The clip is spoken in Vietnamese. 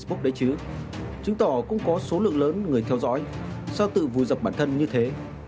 facebook đấy chứ chứng tỏ cũng có số lượng lớn người theo dõi sao tự vùi dập bản thân như thế